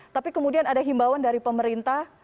tapi kemudian ada himbauan dari pemerintah